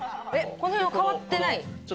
この辺は変わってない？